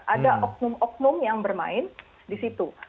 ada oknum oknum yang bermain di situ